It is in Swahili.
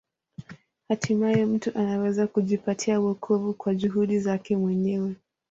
Hatimaye mtu anaweza kujipatia wokovu kwa juhudi zake mwenyewe.